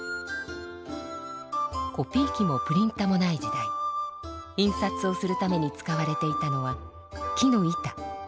コピー機もプリンタもない時代印刷をするために使われていたのは木の板。